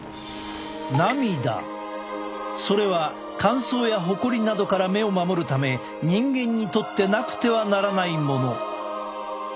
それは乾燥やホコリなどから目を守るため人間にとってなくてはならないもの。